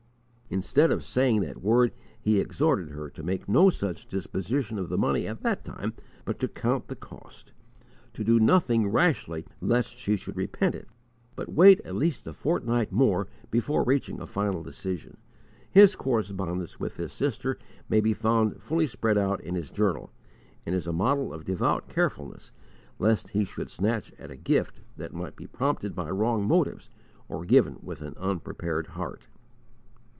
Instead of saying that word, he exhorted her to make no such disposition of the money at that time, but to count the cost; to do nothing rashly lest she should repent it, but wait at least a fortnight more before reaching a final decision. His correspondence with this sister may be found fully spread out in his journal,* and is a model of devout carefulness lest he should snatch at a gift that might be prompted by wrong motives or given with an unprepared heart.